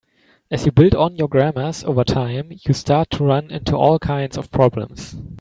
As you build on your grammars over time, you start to run into all kinds of problems.